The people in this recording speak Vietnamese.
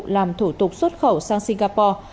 làm thủ tục xuất khẩu sang singapore